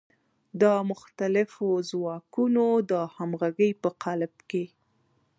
د مختلفو ځواکونو د همغږۍ په قالب کې.